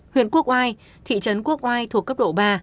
huyện quốc oai thị trấn quốc oai thuộc cấp độ ba